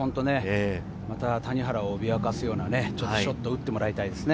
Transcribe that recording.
谷原を脅かすようなショットを打ってもらいたいですね。